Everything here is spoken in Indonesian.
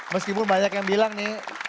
meskipun banyak yang bilang nih